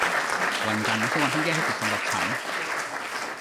วันจันทร์ไม่ใช่วันที่แย่ที่สุดสำหรับฉัน